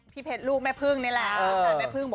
พี่เพชรลูกแม่เพิ่ง